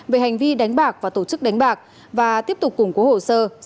về hành vi đánh bạc và tổ chức đánh bạc và tiếp tục củng cố hồ sơ